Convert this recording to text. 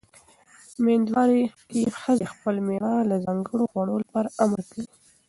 مېندوارۍ کې ښځې خپل مېړه د ځانګړو خوړو لپاره امر کوي.